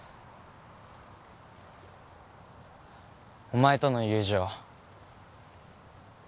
お前との友情